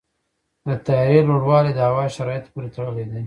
د طیارې لوړوالی د هوا شرایطو پورې تړلی دی.